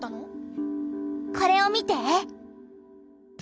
これを見て！